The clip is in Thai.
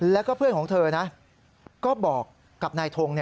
แล้วก็เพื่อนของเธอนะก็บอกกับนายทง